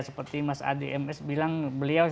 seperti mas adi ms bilang beliau